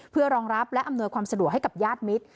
เพื่อรองรับและอำนวยความสะดวกให้กับญาติมิตร